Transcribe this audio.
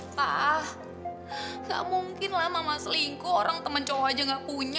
pak gak mungkin lah mama selingkuh orang temen cowok aja gak punya